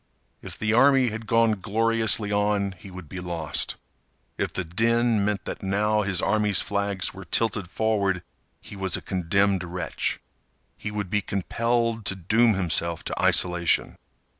If the army had gone gloriously on he would be lost. If the din meant that now his army's flags were tilted forward he was a condemned wretch. He would be compelled to doom himself to isolation.